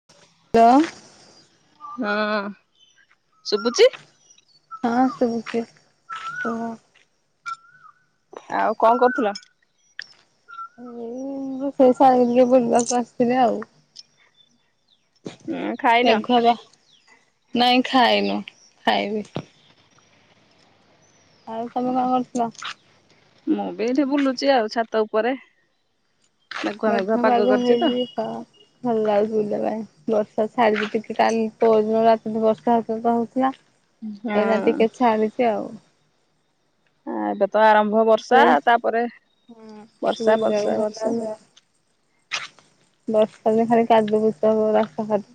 [inaudible] ଦ ହଁ ଶୁବୁଚି? ହଁ ସବୁଚି। ଆଉ କଣ କରୁଥିଲ? ମୁଁ ରୋଷେଇ ସାରିକି ବୁଲିବାକୁ ଆସିଥିଲି ଆଉ। ହୁଁ। ଖାଇନ ମାଘ ଯା ନାଇଁ ଖାଇନୁ ଖାଇବି। ଆଉ ତମେ କଣ କରୁଥିଲ? ମୁଁ ବି ଏଇଠି ବୁଲୁଚି ଆଉ ଛାତ ଉପରେ ମେଘୁଆ ମେଘୁଆ ପାଗ କରିଛି ତ। ହଁ। ଭଲ ଲାଗୁଛି ବୁଲିବା ପାଇଁ ବର୍ଷା ଛାଡିଚି ଟିକେ କାଲି ପଅରଦିନଠୁ ରାତିଠୁ ବର୍ଷା ହଉଥିଲା। ହଁ ଏଇନା ଟିକେ ଛାଡିଚି ଆଉ। ଆଁ। ଏବେ ତ ଆରମ୍ଭ ବର୍ଷା ଟିକେ ତାପରେ ହୁଁ ବର୍ଷା ବର୍ଷା ବର୍ଷା। ବର୍ଷା ଦିନେ ଖାଲି କାଦୁଅ ପୁଜ ହବ ରାସ୍ତା ଖାଟ।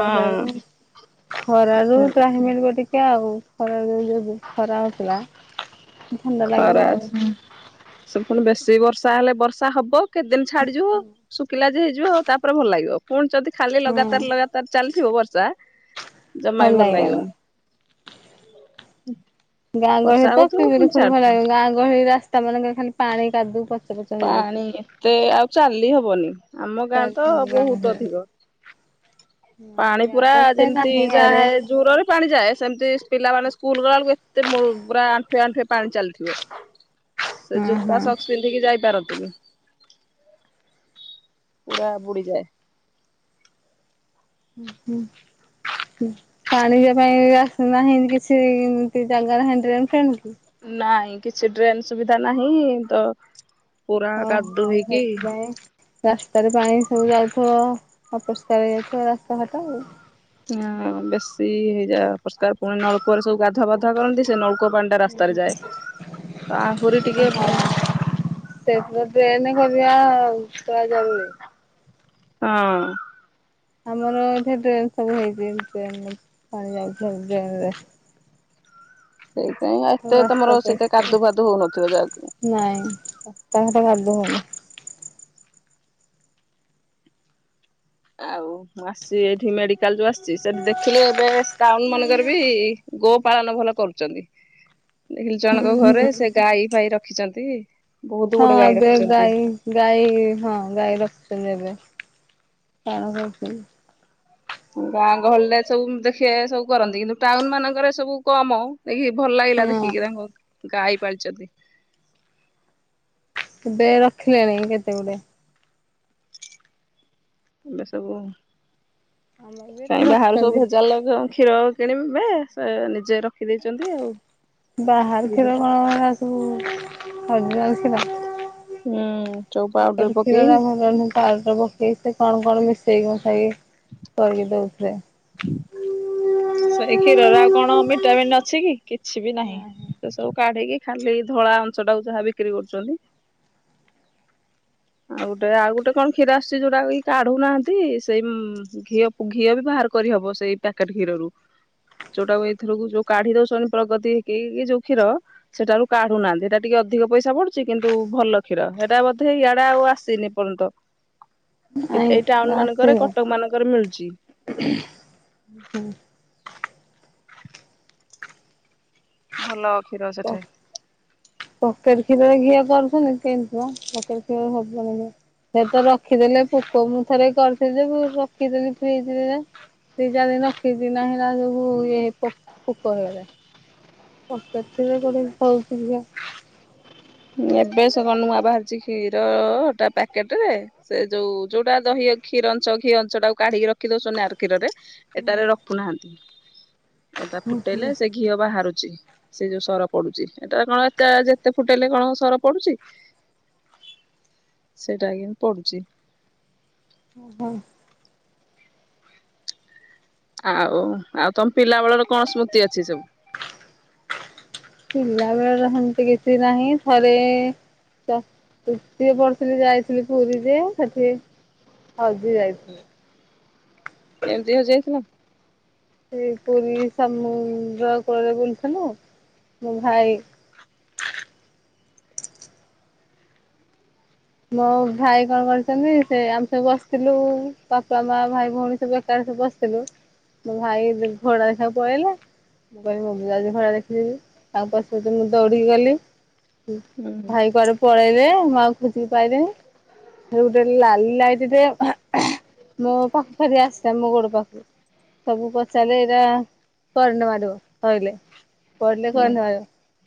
ଖରାରୁ ଖରାରୁ ତ୍ରାହିମିଳିବ ଟିକେ ଆଉ ଖରାରୁ। ଯୋଉଁ ଖରା ହୋଉଥିଲା। ଖରା ସେ ଫୁଣି ବେଶୀ ବର୍ଷା ହେଲେ ବର୍ଷା ହବ କେତେଦିନି ଛାଡିଯିବ। ଶୁଖିଲା ଯେ ହେଇଯିବ ଆଉ ତାପରେ ଭଲ ଲାଗିବ ପୁଣି ଯଦି ଖାଲି ହଁ ଲଗାତାର ଲଗାତାର ଚାଲିଥିବ ବର୍ଷା। ଜମାବି ଭଲ ଲାଗିବନି। ଗାଁ ବର୍ଷା ଗହଳିରେ ତ ହଉଥିବ ପୁଣି [unintelligible] ଛାଡୁଥିବ ଗାଁ ଗହଳି ରାସ୍ତା ମାନଙ୍କରେ ଖାଲି ପାଣି କାଦୁଅ ପଚ। ପଚ ପାଣି ହେଇଯାଇଥିବ। ଏତେ ଆଉ ଚାଲି ହବନି ଆମ ଗାଁରେ ତ ବହୁତ ଅଧିକ। ପାଣି ପୁରା ଇଆଡେ ଏତେ ଯେମିତି ନାହିଁ ଇଆଡେ ଯାହାଏ ଜୁରରେ। ପାଣି ଯାଏ ସେମିତି ପିଲାମାନେେ ସ୍କୁଲ ଗଲା ବୁଳୁକୁ ଏତେ ମୁଳୁରୁ ପୁରା ଆଣ୍ଠୁଏ ଆଣ୍ଠୁଏ ପାଣି ଚାଲିଥିବ। ସେ ହଁ ଜୋତା ହଁ। ସକ୍ସ। ପିନ୍ଧିକି ଯାଇପାରନ୍ତିନି ପୁରା ବୁଡିଯାଏ। ଉଁ ହୁଁ। ପାଣି ଯିବା ପାଇଁ ରାସ୍ତା ନାହିଁ କିଛି ଇନ୍ତି ଜାଗା ନାହିଁ ଡ୍ରେନ୍ ଫ୍ରେନ୍ କି। ନାଇଁ କିଛି ଡ୍ରେନ୍ ସୁବିଧା ନାହିଁ ତ। ପୁରା ଓଁ କାଦୁଅ ହୋ ହେଇକି ସେଥିପାଇଁ। ରାସ୍ତାରେ ପାଣି ସବୁ ଯାଉଥିବ ଅପରିଷ୍କାର ହେଇଯାଉଥିବ ରାସ୍ତାଘାଟ ଆଉ। ହଁ ବେଶୀ ହେଇଯାଏ ଅପରିସ୍କା ପୁଣି ନଳକୁଅରେ ସବୁ ଗାଧିଆ ପାଧିଆ କରନ୍ତି ସେ ନଳକୁଅ ପାଣି। ଟା ରାସ୍ତାରେ ଯାଏ ତ ଆହୁରି ଟି ହଁ ସେଥିରେ ଡ୍ରେନ କରିବା ପୁରା ଜରୁରି। ହଁ। ଆମର ଏଠି ଡ୍ରେନ ସବୁ ହେଇଛି ଡ୍ରେନ ପାଣି ଯାଉଛି ଆଉ ଡ୍ରେନରେ। ସେଇଥିପାଇଁ ଏତେ ରାସ୍ତା ତମର ସେତେ ପରିଷ୍କାର କାଦୁ ଫାଦୁ ହଉନଥିବ ଯା ନାଇଁ ରାସ୍ତା ଘାଟ କାଦୁ ହଉନି। ଆଉ ମୁଁ ଆସଚି ଏଠି ମେଡିକାଲ ଯୋଉ ଆସିଛି ସେ ଦେଖିଲି ଏବେ ଟାଉନ ମାନଙ୍କର ବି ଗୋ ପାଳନ ଭଲ କରୁଚନ୍ତି ଦେଖିଲି ଜଣଙ୍କ ହୁଁ ଘରେ ହୁଁ। ସେ ଗାଈ ଫାଈ ରଖ ଖିଚନ୍ତି। ହଁ ଏବେ ଗାଇ। ଗାଈ ହଁ ଗାଈ ରଖୁଛନ୍ତି ଏବେ ହଁ ରଖୁଛନ୍ତି। ଗାଁ ଗହଳିରେ ସବୁ ଦେଖିବେ ସବୁ କରନ୍ତି କିନ୍ତୁ ଟାଉନ ମାନଙ୍କରେ ସବୁ କମ। ଦେଖି ଭଲ ଲାଗିଲା ହଁ ଦେଖିକି ତାଙ୍କ ଗାଈ ପାଳିଚନ୍ତି। ବେ ରଖିଲେଣି କେତେ ଗୁଡେ। ଏବେ ସବୁ ଆମର ବି ଏଠି କାଇଁ ବାହାରୁ ରଖିଛନ୍ତି। ସବୁ ଭେଜାଲ ଗ କ୍ଷୀର କିଣିବେ ସେ ନିଜେ ରଖିଦେଇଚନ୍ତି ଆଉ। ବାହାର ସୁବିଧା କ୍ଷୀର ହୁଁ କଣ ଏରା ସବୁ ଅରଜିନାଲ କ୍ଷୀର। ହୁଁ ଚ ପ୍ୟକେଟ କ୍ଷୀରରା ଭଲ ନୁ ପାଉଡର ପକେଇ ସେ କଣ କଣ ମିଶେଇକି ମୁଶାଇକି କରିକି ଦଉଥିଲେ। ସେଇ କ୍ଷୀରରେ ଆଉ କଣ ଭିଟାମିନ୍ ଅଛି କି କିଛି ବି ନାହିଁ। ସେ ସବୁ କାଢିକି ଖାଲି ଧଳା ଅଂଶ ଟାକୁ ଯାହା ବିକ୍ରି କରୁଛନ୍ତି। ଆଉ ଗୋଟେ ଆଉ ଗୋଟେ କଣ କ୍ଷୀର ଆସୁଛି ଯୋଉଟା କି କାଢୁନାହାନ୍ତି ସେଇ ଉଂ ଘିଅ ଘିଅ ବି ବାହାର କରିହବ ସେଇ ପ୍ୟାକେଟ ଖିରରୁ। ଯୋଉଟାକୁ ଏଥରକୁ ଯୋଉ କାଢି ଦଉସନ୍ତି ପ୍ରଗତି କି କି ଯୋଉ କ୍ଷୀର। ସେଟାରୁ କାଢୁନାହାନ୍ତି ହେଟା ଟିକିଏ ଅଧିକ ପଇସା ପଡୁଚି କିନ୍ତୁ ଭଲ କ୍ଷୀର ହେଟା ବୋଧେ ଇ ଟା ଆଉ ଆସିନି ଏପର୍ଯ୍ୟନ୍ତ ଏ ନାଇଁ ଏଇ ଟାଉନ ମାନଙ୍କରେ କଟକ ମାନଙ୍କରେ ମିଳୁଚି। ହୁଁ। ଭଲ କ୍ଷୀର ସେଠେ। ପକେଟ୍ କ୍ଷୀରରେ ଘିଅ କରୁଛନ୍ତି କେମତି ମ ପକେଟ କ୍ଷୀରରେ ହବନି ମ। ସେ ତ ରଖିଦେଲେ ପୋକ ମୁଁ ଥରେ କରିଥିଲି ଯେ ମୁ ରଖିଦେଲି ଫ୍ରିଜରେ। ଦି ଚାର ଦିନ ରଖିଚିନା ହେରା ସବୁ ଇଏ ପୋ ପୋକ ହେଇଗଲେ। ପକେଟ କ୍ଷୀରରେ କଉଠେ ହଉଚି [unintelligible] ଏବେ ସେ କଣ ନୁଆଁ ବାହାରିଛି କ୍ଷୀର ଟା ପ୍ୟାକେଟ ରେ। ସେ ଯୋଉ ଯୋଉଟା ଦହି କ୍ଷୀର ଅଞ୍ଚ ଘିଅ ଅଞ୍ଚ ଟାକୁ କାଢିକି ରଖି ଦଉସନ୍ ଆର କ୍ଷୀରରେ। ଏଟାରେ ରଖୁନାହାନ୍ତି ଏଟା ଫୁଟେଇଲେ ସେ ଘିଅ ବାହାରୁଛି, ସେ ଯୋଉ ସର ପଡୁଛି ଏଟା କଣ ଏ ଯେତେ ଫୁ ଟେଇଲେ କଣ ସର ପଡୁଛି, ସେଇଟା କି ପଡୁଛି। ଉ ହୁଁ। ଆଉ ଆଉ ତମ ପିଲା ବେଳର କଣ ସ୍ମୃତି ଅଛି ସବୁ? ପିଲା ବେଳତ୍ ସେମତି କିଛି ନାହିଁ ଥରେ ଚ ତୃତୀୟ ପଢ଼ୁଥିଲି ଯାଇଥିଲି ପୁରୀ ଯେ ସେଠି ହଜି ଯାଇଥିଲି। କେମତି ହେଜିଯାଇଥିଲ? ସେଇ ପୁରୀ ସମୁଦ୍ର କୂଳରେ ବୁଲୁଥିଲୁ ମୋ ଭାଇ ମୋ ଭାଇ କଣ କରିଛନ୍ତି ସେ ଆମେ ସବୁ ବସିଥିଲୁ ବାପା ମା ଭାଇ ଭଉଣୀ ସବୁ ଏକା ସବୁ ବସି ମୋ ଭାଇ ଘୋଡ଼ା ଦେଖିଆକୁ ପଳେଇଲେ। ମୁଁ କହିଲି ମୁଁ ବି ଯାଉଚି ଘୋଡ଼ା ଦେଖିଦେବି, ତା ପଛକୁ ମୁଁ ଦୌଡ଼ିକି ଗଲି। ହୁଁ ଭାଇ କୁଆଡେ ପଳେଇଲେ ମୁଁ ଆଉ ଖୋଜିକି ପାଇଲିନି। ସେଇଟୁ ଗୋଟେ ଲାଲି ଲାଇଟିଟେ ମୋ ପାଖରେ ଆସିଲା ମୋ ଗୋଡ ପାଖକୁ। ସବୁ ପଚାରିଲେ ଏଇଟା କରେଣ୍ଟ ମାରିବ ଧଇଲେ। ପଡିଲେ ହୁଁ କଣ ନହିବ,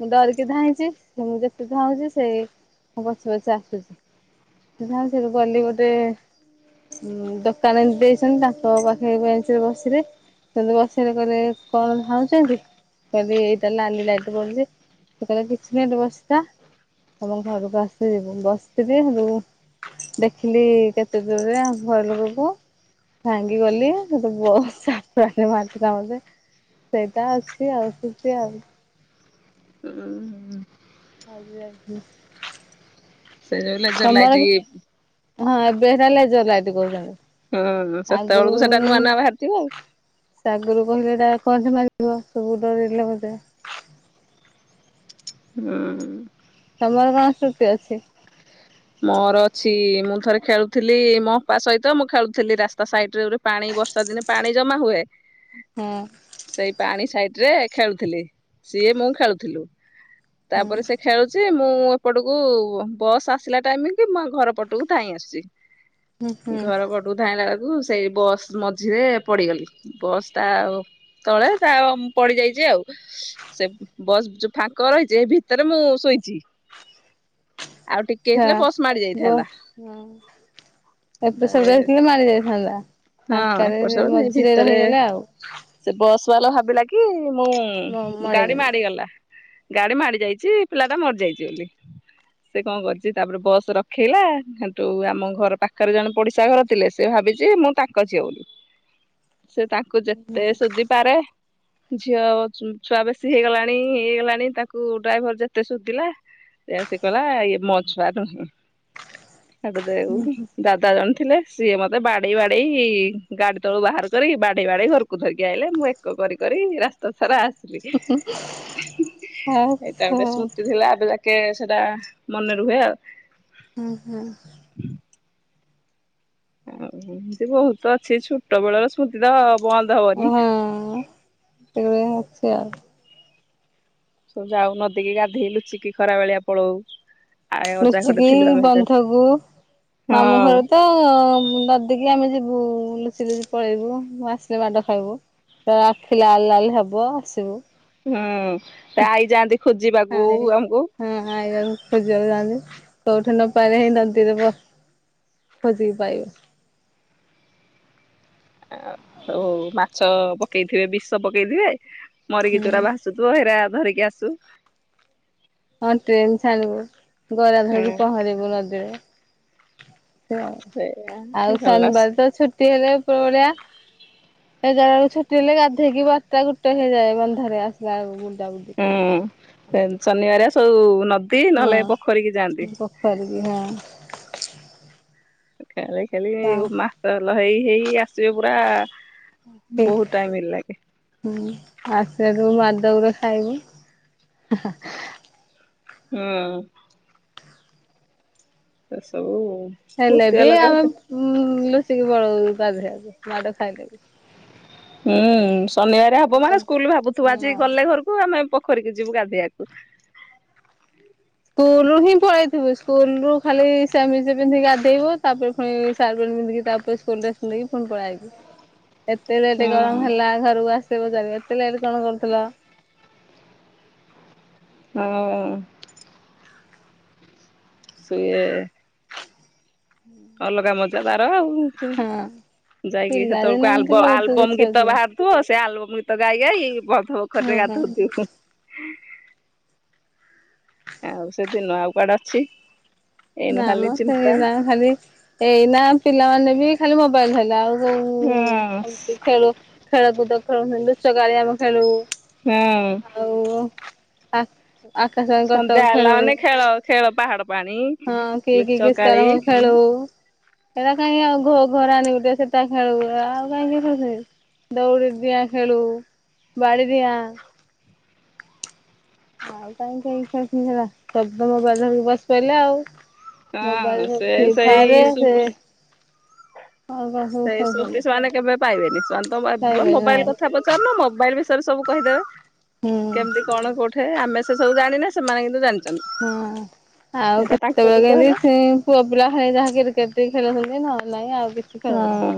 ମୁଁ ଡରିକି ଧାଇଁଛି ସେ ମୁଁ ଯେତେ ଧାଉଁଛି ସେ ମୋ ପଛେ ପଛେ ଆସ ଯା ସେଠୁ ଗଲି ଗୋଟେ ଉଁ ଦୋକାନ ଏମତି ଦେଇଛନ୍ତି ତାଙ୍କ ପାଖରେ ବେଞ୍ଚରେ ବସିଲି। ତାପରେ ବସିଲେ କହିଲେ କଣ ଧାଉଛନ୍ତି? କଇଲି ଏଇଟା ଲାଲି ଲାଇଟ୍ ପଡୁଚି ସେ କହିଲେ କିଛି ନାଇଁ ରୁହ ସେଟା ତମ ଘରୁକୁ ଆସିଲେ ଯିବୁ ବସ୍ ସେଠି ରୁ ଦେଖିଲି କେତେ ଦୂରରେ ଆମ ଘର ଲୋକକୁ। ଭାଙ୍ଗି ଗଲେ ସେତୁ ବର୍ଷା [unintelligible] ସେଇଟା ଅଛି ଆଉ ଆସିଚ଼ି ଆଉ। ଉୁଁ ହୁଁ। ଆଜି ଆସି ସେ ଲେଜର ଲାଇଟି ହଁ ଏବେ ହେରା ଲେଜର୍ ଲାଇଟ୍ କୋଉଚନ୍ତି। ହଁ ନ ସେତେଏଳକୁ ସେଟା ନୂଆ ନୂଆ ବାହାରିଥିବ ଆଉ। ସେ ଆଗୁରୁ କହିଲେ ଏଟା କଣ୍ଟେ ମାରିବ ସବୁ ଡରେଇଲେ ମୋତେ। ହୁ ଉୁଁ। ତମର କଣ ସୃତି ଅଛି? ମୋର ଅଛି ମୁଁ ଥରେ ଖେଳୁଥିଲି ମୋ ଅପା ସହିତ ମୁଁ ଖେଳୁଥିଲି ରାସ୍ ତା ସାଇଟ୍ ରେ ଗୋଟେ ପାଣି ବର୍ଷା ଦିନେ ପାଣି ଜମା ହୁଏ। ହଁ ସେଇ ପାଣି ସାଇଟ୍ ରେ ଖେଳୁଥିଲି, ସିଏ ମୁଁ ଖେଳୁଥିଲୁ ହୁଁ ତାପରେ ସେ ଖେଳୁ ଚେ ମୁଁ ଏପଟକୁ ବସ୍ ଆସିଲା ଟାଇମ୍ କି ମୁଁ ଘର ପଟକୁ ଧାଇଁ ଆସୁଚି। ହୁଁ ହୁଁ ଘର ପଟକୁ ଧାଇଁଲା ଆଳକୁ ସେଇ ବସ୍ ମଝିରେ ପଡିଗଲି, ବସ୍ ଟା ଆଉ ତଳେ ତା ପଡିଯାଇଚି ଆଉ। ସେ ବସ୍ ଯୋଉ ଫାଙ୍କ ରହିଚ଼ି ଭିତରେ ମୁଁ ଶୋଇଚି, ଆଉ ଟି ଟିକେ ଆଚ୍ଛା। ହେଇଥିଲେ ବସ୍ ମାଡ଼ି ଯାଇଥାନ୍ତା। ବସ୍ ହଁ ଏପଟେ ତାରେ ସେପଟେ ହେଇଥିଲେ ମାଡି ଯାଇଥାନ୍ତା। ହଁ ଫାଙ୍କାରେ ଏପର ସେପର ସେଇ ମଝିରେ ଭିତରେ ରହିଗଲେ ଆଉ ସେ ବସ୍ ବାଲା ଭାବିଲା କି ମୁଁ ମ ଗାଡି ମଡେଇଦେଲେ। ମାଡିଗଲା। ଗାଡି ମାଡି ଯାଇଚି ପିଲାଟା ମରିଯାଇଚ଼ି ବୋଲି ସେ କଁ କରିଚି ସେ ତାପରେ ବସ୍ ରଖେଇଲା ସେଠୁ ଆମ ଘର ପାଖରେ ଜଣେ ପଡ଼ିଶା ଘର ଥିଲେ ସେ ଭାବିଚି ମୁଁ ତାଙ୍କ ଝିଅ ବୋଲ୍ ସେ ତାଙ୍କୁ ହୁଁ ଯେତେ ସୋଦି ପାରେ। ଝିଅ ଛୁଆ ବେଶୀ ହେଇଗଲାଣି ଇଏ ହେଇଗଲାଣି ତାକୁ ଡ୍ରାଇଭର୍ ଯେତେ ସୁଦିଲା। ଏୟା ସେ କହିଲା ଇଏ ମୋ ଛୁଆ ନୁହୁଁ। ସେଠୁ ଦେଗୁ ଦା ତା ଜଣି ଥିଲେ ସିଏ ମୋତେ ବାଡ଼େଇ ବାଡ଼େଇ ଗାଡ଼ି ତଳୁ ବାହାର କରିକି ବାଡ଼େଇ ବାଡ଼େଇ ଘରକୁ ଧରିକି ଆଇଲେ। ମୁଁ ଏ ଏକ କରି କରି ରାସ୍ ତା ସାରା ଆସିଲି। ଏଟା ଆଚ୍ଛା ଗୋଟେ ହୁଁ ସ୍ମୃତି ଥିଲା ଏବେ ଯାଏ କେ ସେଟା ମନେ ରୁହେ ଆଉ। ଉଁ ହୁଁ। [inaudible] ଉଁ ଏମିତି ବହୁତ ଅଛି ଛୁଟ ବେଳର ସ୍ମୃତି ତ ବନ୍ଦ ହବନି। ସେଗୁରା ଅଛି ଆଉ। ସବୁ ଯାଉ ନଦୀ କିି ଗାଧେଇ ଲୁଚିକି ଖରା ବେଳିଆ ପଳଉ। ଆଏ ଅଜା ଘରେ ନୁଚିକି ଥିଲୁ ଆମେ ହେତେବେଳେ। ବନ୍ଧକୁ ମାମୁଁ ହଁ ଘର ତ ନ ଦୀକି ଆମେ ଯିବୁ ଲୁଚି ଲୁଚି ପଳେଇବୁ। ଆସିଲେ ମାଡ଼ ଖାଇବୁ। ତ ଆଖି ଲାଲ ଲାଲ ହେବ ଆସିବୁ। ହଁ ତା ଆଇ ଯାଆନ୍ତି ଖୋଜିବାକୁ ଆଇ ଆମୁକୁ। ହଁ ଆଇରନ ଖୋଜିବାକୁ ଯଆନ୍ତି। କୋଉଠୁ ନପାଇଲେ ହିଁ ନଦିରେ ବ ଖୋଜିକି ପାଇବେ। ଆ ହଉ ମାଛ ପକେଇଥିବେ ବିଷ ପକେଇଥିବେ। ହୁଁ ମରିକି ଚୋରା ଭାସ୍ ସୁ ଥୁବ ହେରା ଧରିକି ଆସୁ। ହଁ ଟ୍ରେନ ଛାଡ଼ିବୁ ଗରା ହୁଁ ଧରୁ ପହଁରିବୁ ନଦୀରେ। ବ ସେଇଆ ଆଉ ଭଲ ଶନିବାର ତ ଛୁଟି ହେଲେ ପୋରା ଏ ଜାଉ ଛୁଟି ହେଲେ ଗାଧେଇକି ବାରଟା ଗୁଟେ ହେଇଯାଏ ବନ୍ଧାରେ ଆସିଲା ଏଳକୁ ବୁଡ଼ା ବୁଡି କରିକି। ଡେନ୍ ଶନିବାରିଆ ସବୁ ନଦ୍ ଅଁ ପୋଖରୀ ବି ହଁ। ଖେଳେଇ ଖେଳେଇ ମାତଲ ହେଇ ହେଇ ଆସିବେ ପୁରା ଠିକ ବହୁତ ଟାଇମିଙ୍ଗ ଲାଗେ। ହୁଁ ଆସିଲାଠୁ ମାଡ ଗୁରେ ଖାଇବୁ। ହା ହା। ହୁଁ। ସେ ସବୁ ହେଲେ ସ୍ମୃତି ବି ଅଲଗା ଆମେ ଲୁଚିକି ପଳଉ ଗାଧେଇବା ପାଇଁ ମାଡ ଖାଇଲେ ବି। ହୁଁ ଶନିବାର ହେବ ମାନେ ସ୍କୁଲରୁ ଭାବୁଥିବ ଆଜି ହଁ। ଗଲେ ଘରକୁ ଆମେ ପୋଖରୀକି ଯିବୁ ଗାଧେଇବାକୁ। ସ୍କୁଲ ରୁ ହିଁ ପଳେଇଥିବୁ। ସ୍କୁଲ ରୁ ଖାଲି ସେମିଜ ପିନ୍ଧି ଗାଧେଇବୁ। ତାପରେ ପୁଣି ସାଇକେଲ ପିନ୍ଧିଛି ତାପରେ ସ୍କୁଲ ଡ୍ରେସ୍ ପିନ୍ଧିକି ପୁଣି ପଳେଇ ଆଇବୁ। [inaudible] ଏତେ ଲେଟ୍ ହୁଁ କଣ ହେଲା? ଘରକୁ ଆସ ପଚାରିବେ ଏତେ ଲେଟ୍ କଣ କରୁଥିଲ? ହଁ। ସିଏ ହୁଁ। ଅଲଗା ମଜା ତାର ଆଉ ସେ ଯାଇକି ପିଲା ଦିନେ ସେତେବେଳକୁ ଏମିତି ଆଲବ ବହୁତ ଆଲବମ କିଛି ଗୀତ ଅଛି। ବାହାର ତୁ ସେ ଆଲବମ୍ ଗୀତ ଗାଇ ଗାଇ ବଧ ହୁଁ ପୋଖରରେ ହୁଁ ଗାଧଉଥିବୁ। ଆଉ ସେ ଦିନ ଆଉ କୁଆଡ଼େ ଅଛି? ଏଇନୁ ନା ଖାଲି ମ ସେଇ ଚିନ୍ତା ନା ଖାଲି ଏଇନା ପିଲାମାନେ ବି ଖାଲି ମୋବାଇଲ ଧଇଲେ। ଆଉ ହୁଁ ମତି ଖେଳୁ ଖେଳକୁଦ ଖେଳୁଥିଲୁ ଲୁଚକାଳି ଆମେ ଖେଳୁ। ହଁ। ଆଉ ଆ ଆକାଶ ଭାଇ କଟକ ସନ୍ଧ୍ୟା ହେଲା ଫେରୁ। ମାନେ ଖେଳ ଖେଳ ପାହାଡ଼ ପାଣି। ହଁ, କିଏ କି କି ଲୁଚକାଳି ଖେଳ ଖେଳୁ। ସେଇଟା କାହିଁ ଆଉ ଘ ଘର ଆଣିବୁ ସେଟତ ଖେଳବୁ। ଆଉ କାହିଁକି କିଏ ଖେଳୁଛନ୍ତି। ଦଉଡ଼ି ଡିଆଁ ଖେଳୁ ବାଡ଼ି ଡିଆଁ। ଆଉ କାହିଁ କାଇଁ ଖେଳୁଛନ୍ତି ସେଗୁଡା? ସବୁତ ମୋବାଇଲ ଧରି ବସି ପଇଲେ ଆଉ। ହଁ ମୋବାଇଲର ସେ ଫ୍ରି ସେଇ ଫାୟାରରେ ସେ ସବୁ ଆଉ କଣ ସବୁ ସେଇ ଖେଳ ସ୍ମୃତି ସଇଲା? ସେମାନେ କେବେ ପାଇବେନି? ସେମାନ୍ତ ମୋବାଇଲ ନାଇଁ କଥା ପଚାରୁନ। ମୋବାଇଲ ବିଷୟରେ ସବୁ କହିଦେବେ। ହୁଁ କେମିତି କଣ କୋଉଠେ? ଆମେ ସେ ସବୁ ଜାଣିନେ। ସେମାନେ କିନ୍ତୁ ଜାଣି ହଁ ଆଉ କେତେବେଳେ ଯୁଗ କେମତି ହେଲା। ସେ ପୁଅ ପିଲା ହେ ଯାହା କ୍ରିକେଟ ଟିମ ଖେଳୁଛନ୍ତି ନହେଲେ ନାହିଁ ଆଉ କିଛି ହଁ ଖେଳୁନାହିଁ।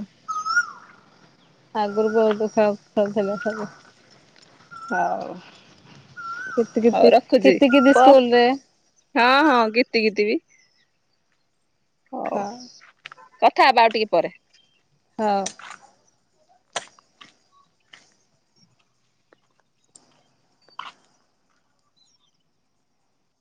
ଆଗରୁ ବହୁତ ଖେଳ ଖେଳୁଥିଲେ ସବୁ। ହଉ କିତି ହଉ କିତି ରଖୁଛି। କିତି କିତି ସ୍କୁଲରେ ହଁ ହଁ ଗିତି ଗିତିିବି। ହଁ। କଥା ହବା ଆଉ ଟିକେ ପରେ। ହଁ।